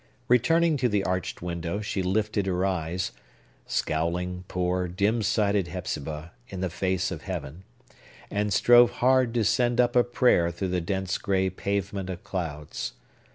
Returning to the arched window, she lifted her eyes,—scowling, poor, dim sighted Hepzibah, in the face of Heaven!—and strove hard to send up a prayer through the dense gray pavement of clouds.